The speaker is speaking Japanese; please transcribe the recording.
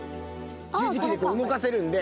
十字キーで動かせるんで。